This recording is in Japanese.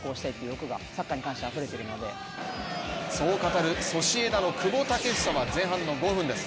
そう語るソシエダの久保建英は、前半の５分です。